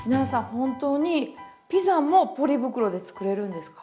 本当にピザもポリ袋で作れるんですか？